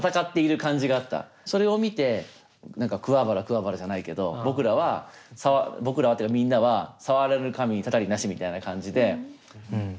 それを見て何か「くわばらくわばら」じゃないけど僕らは僕らはというかみんなは「触らぬ神にたたりなし」みたいな感じで。